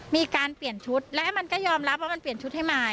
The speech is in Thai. มีการเปลี่ยนชุดแล้วมันก็ยอมรับว่ามันเปลี่ยนชุดให้มาย